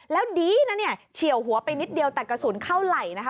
และดีนะเฉี่ยวหัวไปนิดเดียวแต่กระสุนเข้าไหล